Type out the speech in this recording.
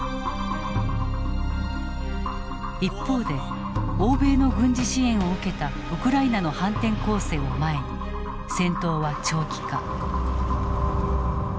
一方で欧米の軍事支援を受けたウクライナの反転攻勢を前に戦闘は長期化。